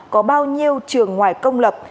có bao nhiêu trường ngoài công lập